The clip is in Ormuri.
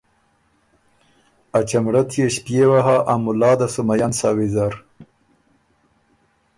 ”ا چمړۀ تيې ݭپيېوه هۀ ا مُلا ده سو مئن سَۀ ویزر“